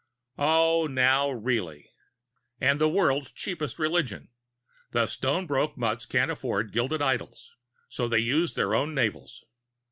"Oh, now, really " "And the world's cheapest religion. The stone broke mutts can't afford gilded idols, so they use their own navels.